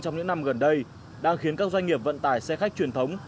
trong những năm gần đây đang khiến các doanh nghiệp vận tải xe khách truyền thống